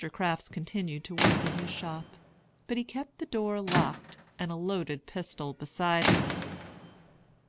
Crafts continued to work at his shop; but he kept the door locked, and a loaded pistol beside him.